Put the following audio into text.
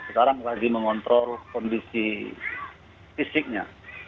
sekarang lagi mengontrol kondisi fisiknya